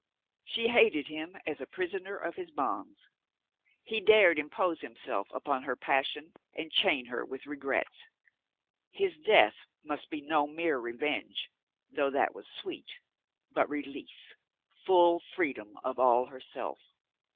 She hated him as a prisoner his bonds. He dared impose himself upon her passion and chain her with regrets. His death must be no mere revenge, though that were sweet, but release, full freedom of all herself.